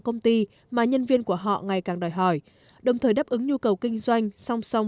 công ty mà nhân viên của họ ngày càng đòi hỏi đồng thời đáp ứng nhu cầu kinh doanh song song